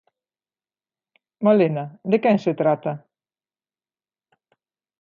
Malena, de quen se trata?